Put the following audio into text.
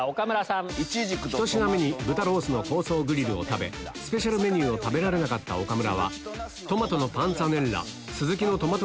１品目に豚ロースの香草グリルを食べスペシャルメニューを食べられなかった岡村